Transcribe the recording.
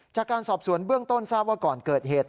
จากการสอบสวนเบื้องต้นทราบว่าก่อนเกิดเหตุ